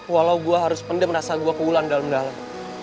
walau gue harus pendam rasa gue ke wulan dalam dalam